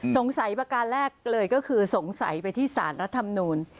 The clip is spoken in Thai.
สงสัยประการแรกเลยก็คือสงสัยไปที่ศาลรัฐธรรมนูญ